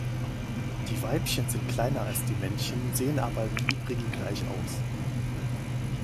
Die Weibchen sind kleiner als die Männchen, sehen aber im übrigen gleich aus.